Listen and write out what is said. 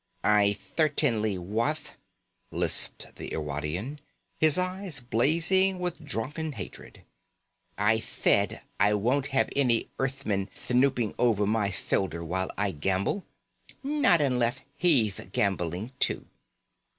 "I thertainly wath," lisped the Irwadian, his eyes blazing with drunken hatred. "I thaid I won't have any Earthman thnooping over my thoulder while I gamble, not unleth he'th gambling too."